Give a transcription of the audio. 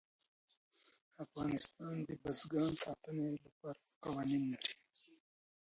افغانستان د بزګان د ساتنې لپاره قوانین لري.